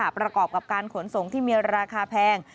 ประกอบกับการขนส่งที่มีราคาแพง